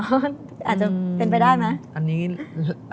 อาจจะเป็นไปได้ไหม